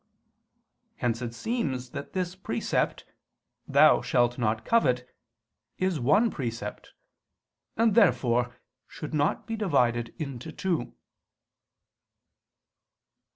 '" Hence it seems that this precept, "Thou shalt not covet," is one precept; and, therefore, should not be divided into two.